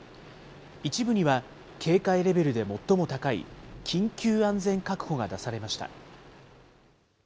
一部には警戒レベルで最も高い緊急安全確保が出されました。